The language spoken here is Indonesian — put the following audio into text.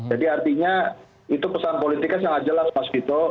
jadi artinya itu pesan politika sangat jelas mas gito